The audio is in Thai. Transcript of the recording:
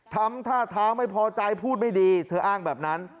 ทำท่าทางไม่พอใจพูดไม่ดีเธออ้างแบบนั้น